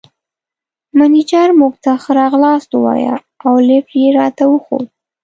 مېنېجر موږ ته ښه راغلاست ووایه او لېفټ یې راته وښود.